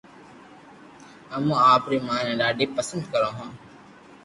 امو آپري مان ني ڌاڌي پسند ڪرو ھون